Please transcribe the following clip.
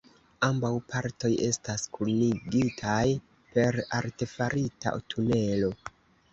Ambaŭ partoj estas kunigitaj per artefarita tunelo.